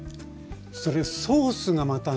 それソースがまたね